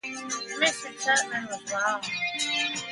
Mr. Tupman was wrong.